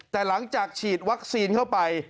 แต่หลังจากฉีดวัคซีนเข้าไป